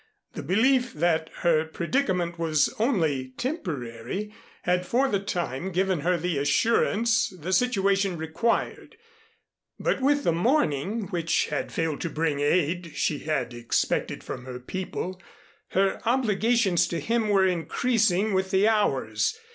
The belief that her predicament was only temporary, had for the time given her the assurance the situation required; but with the morning, which had failed to bring aid she had expected from her people, her obligations to him were increasing with the hours.